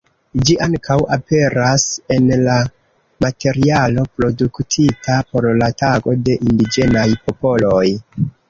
Ĝi ankaŭ aperas en la materialo produktita por la Tago de indiĝenaj popoloj.